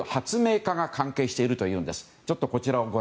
家が関係しているというんです。